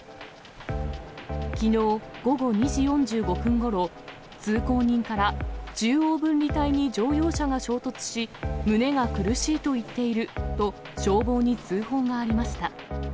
きのう午後２時４５分ごろ、通行人から、中央分離帯に乗用車が衝突し、胸が苦しいと言っていると、消防に通報がありました。